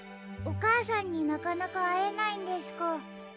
おかあさんになかなかあえないんですか。